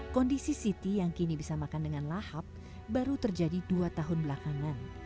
kondisi siti yang kini bisa makan dengan lahap baru terjadi dua tahun belakangan